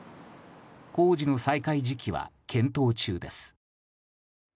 工事の再開時期は検討中です。